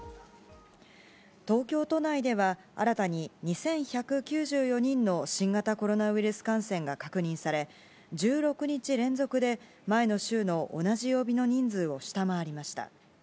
東京都内では新たに２１９４人の新型コロナウイルス感染が確認され、１６日連続で前の週の同じ曜日の人数を下回りました。